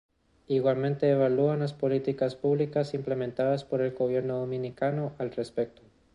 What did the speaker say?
Igualmente evalúan las políticas públicas implementadas por el gobierno dominicano al respecto.